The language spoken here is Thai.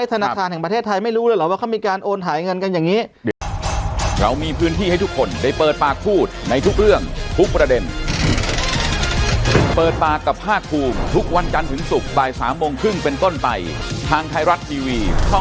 ธนาคารแห่งประเทศไทยไม่รู้เลยเหรอว่าเขามีการโอนถ่ายเงินกันอย่างนี้